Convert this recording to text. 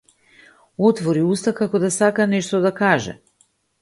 Отвори уста како да сака нешто да каже.